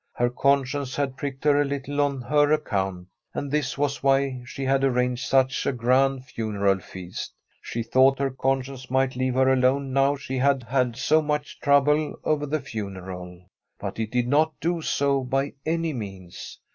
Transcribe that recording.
Her conscience had pricked her a little on her account, and this was why she had arranged such a grand funeral feast. She thought her conscience might leave her alone now she had had so much trouble over the funeral, but it did not do so by any means'.